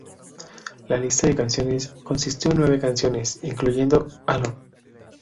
La lista de canciones consistió en nueve canciones, incluyendo "Alone".